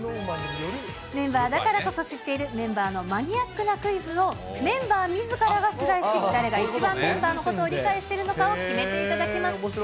メンバーだからこそ知っているメンバーのマニアックなクイズを、メンバーみずからが出題し、誰が一番メンバーのことを理解しているのかを決めていただきます。